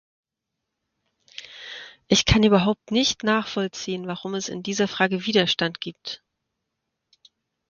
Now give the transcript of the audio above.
Ich kann überhaupt nicht nachvollziehen, warum es in dieser Frage Widerstand gibt.